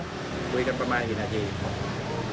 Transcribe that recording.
คุยกันประมาณกี่นาทีครับ